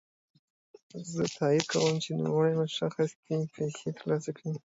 زه تاييد کوم چی نوموړی شخص دي پيسې ترلاسه کړي.